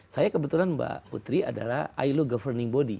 saya kebetulan mbak putri adalah ilo governing body